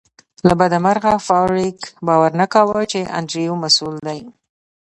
له بده مرغه فارویک باور نه کاوه چې انډریو مسؤل دی